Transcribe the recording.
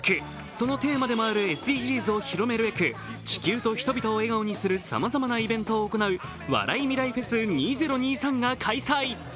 そのテーマでもあるＳＤＧｓを広めるべく、地球と人々を笑顔にするさまざまなイベントを行う「ＷＡＲＡＩＭＩＲＡＩＦＥＳ２０２３」が開催。